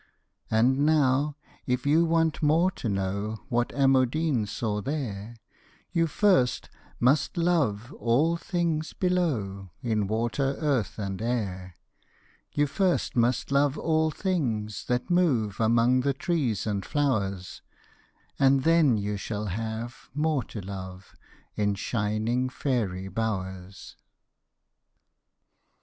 And now if you want more to know what Amodine saw there, You first must love all things below, in water, earth, and air; You first must love all things that move among the trees and flowers, And then you shall have more to love in shining fairy bowers.